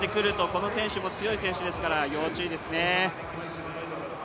この選手も強い選手ですから、要注意ですね。